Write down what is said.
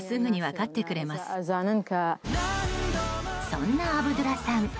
そんなアブドゥラさん